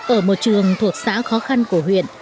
ở một trường thuộc xã khó khăn của huyện